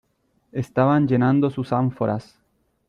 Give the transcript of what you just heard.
estaban llenando sus ánforas.